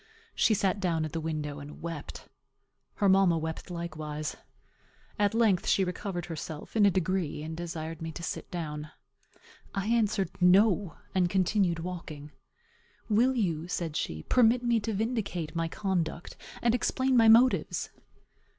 She sat down at the window and wept. Her mamma wept likewise. At length she recovered herself, in a degree, and desired me to sit down. I answered, No, and continued walking. "Will you," said she, "permit me to vindicate my conduct, and explain my motives?"